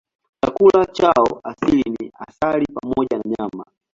Chakula chao asili ni asali pamoja na nyama.